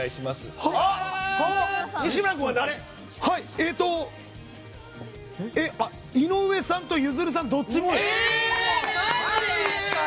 えーと井上さんとゆずるさん、どっちもです。